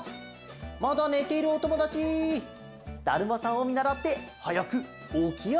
まだねているおともだちだるまさんをみならってはやくおきあがろう！